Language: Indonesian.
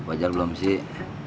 wajar belum sih